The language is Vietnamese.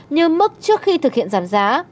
như mức trước khi thực hiện giảm giá